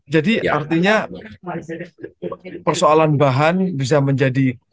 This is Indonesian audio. jadi artinya persoalan bahan bisa menjadi kepentingan